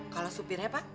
kalau supirnya pak